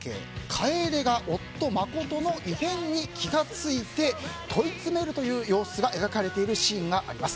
楓が夫・誠の異変に気が付いて問い詰めるという様子が描かれているシーンがあります。